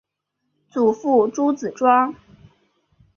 祖父朱子庄。